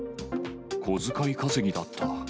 小遣い稼ぎだった。